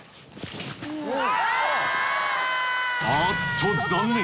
あっと残念！